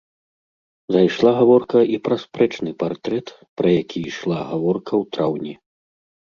Зайшла гаворка і пра спрэчны партрэт, пра які ішла гаворка ў траўні.